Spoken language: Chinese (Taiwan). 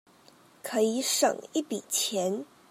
可以省一筆錢